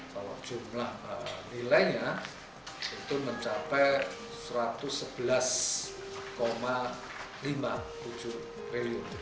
kalau jumlah nilainya itu mencapai rp satu ratus sebelas lima puluh tujuh triliun